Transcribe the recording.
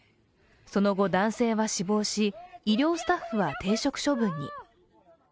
その後、男性は死亡し医療スタッフは停職処分に。